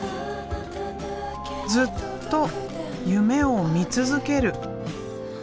ずっと夢を見続ける。